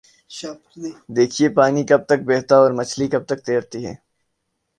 دیکھیے پانی کب تک بہتا اور مچھلی کب تک تیرتی ہے؟